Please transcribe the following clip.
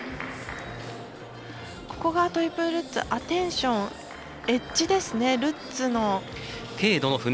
ここのトリプルルッツアテンションエッジですね、ルッツの。